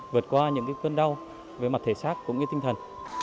vượt qua những cơn đau về mặt thể xác cũng như tinh thần